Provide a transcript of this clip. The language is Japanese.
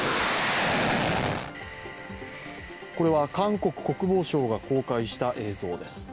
これは韓国国防省が公開した映像です。